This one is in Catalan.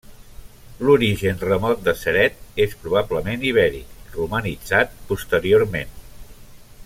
L'origen remot de Ceret és probablement ibèric, romanitzat posteriorment.